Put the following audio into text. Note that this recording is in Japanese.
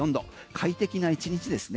快適な１日ですね。